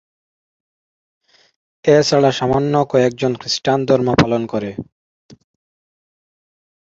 এছাড়া সামান্য কয়েকজন খ্রিস্টান ধর্ম পালন করেন।